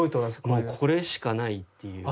もうこれしかないっていう。